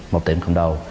một tiệm cầm đồ